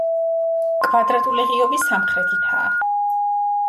კვადრატული ღიობი სამხრეთითაა.